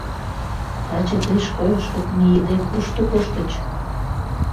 — Таче тый, школышко мийыде, кушто коштыч?